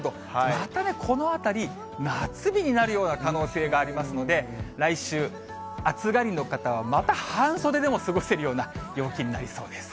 またね、このあたり、夏日になるような可能性がありますので、来週、暑がりの方はまた半袖でも過ごせるような陽気になりそうです。